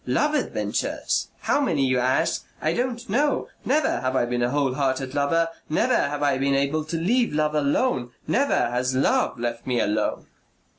love adventures. How many? you ask. I don't know. Never have I been a whole hearted lover; never have I been able to leave love alone.... Never has love left me alone.